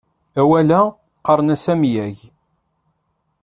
Awal-a, qqaren-as amyag.